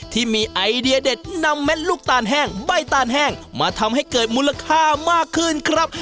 ที่มีไอเดียเด็ดนำเม็ดลูกตาลแห้งใบตาลแห้งมาทำให้เกิดมูลค่ามากขึ้นครับ